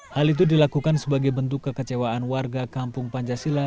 hal itu dilakukan sebagai bentuk kekecewaan warga kampung pancasila